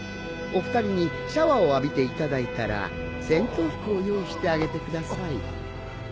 お二人にシャワーを浴びていただいたら戦闘服を用意してあげてください。